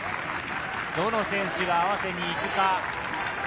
どの選手が合わせに行くか？